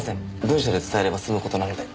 文書で伝えれば済む事なので。